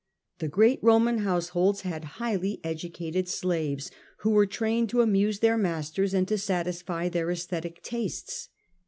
The great Roman households had highly educated slaves, who were trained to amuse their masters and to satisfy their aesthetic tastes.